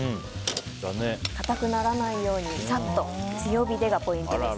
硬くならないようにサッと強火がポイントです。